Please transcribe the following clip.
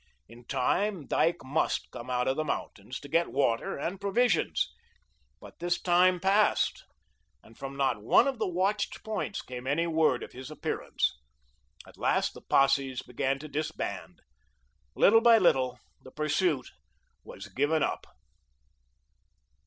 In time, Dyke MUST come out of the mountains to get water and provisions. But this time passed, and from not one of the watched points came any word of his appearance. At last the posses began to disband. Little by little the pursuit was given up.